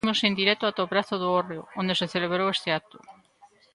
Imos en directo ata o pazo do Hórreo, onde se celebrou este acto.